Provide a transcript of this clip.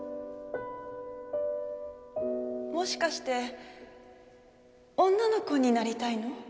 もしかして女の子になりたいの？